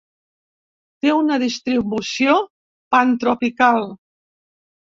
Té una distribució pantropical.